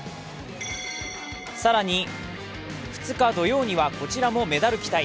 更に２日土曜には、こちらもメダル期待。